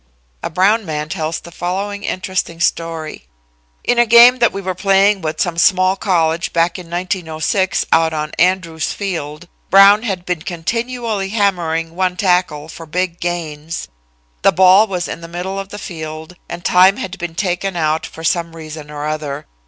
A Brown man tells the following interesting story: "In a game that we were playing with some small college back in 1906 out on Andrews Field, Brown had been continually hammering one tackle for big gains. The ball was in the middle of the field and time had been taken out for some reason or other.